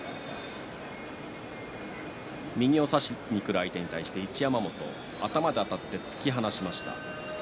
右を差しにくる相手に対して一山本、頭であたって突き放しました。